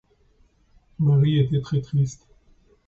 Marie en était très triste.